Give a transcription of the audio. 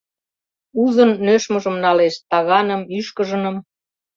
Узын нӧшмыжым налеш: таганым, ӱшкыжыным.